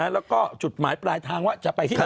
แล้วก็จุดหมายปลายทางว่าจะไปที่ไหน